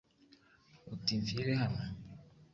uti « mfire hano !»